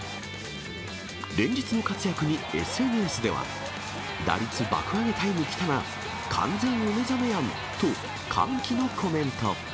連日の活躍にＳＮＳでは、打率爆上げタイムきたな、完全お目覚めやんと、歓喜のコメント。